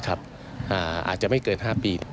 อาจจะไม่เกิน๕ปี